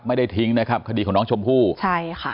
ไม่ได้ทิ้งนะครับคดีของน้องชมพู่ใช่ค่ะ